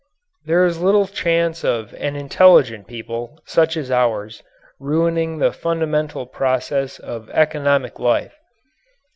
There is little chance of an intelligent people, such as ours, ruining the fundamental processes of economic life.